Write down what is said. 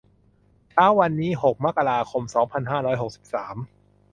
เช้าวันนี้ หก มกราคม สองพันห้าร้อยหกสิบสาม